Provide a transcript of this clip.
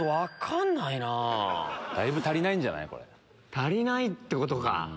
足りないってことか。